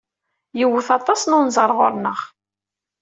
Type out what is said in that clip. Iwet aṭas n unẓar ɣer-neɣ.